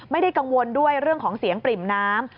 ไม่ได้กังวลด้วยเรื่องของเสียงปริ่มน้ำ